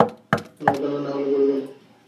নড়বে না, নাহলে গুলি করব।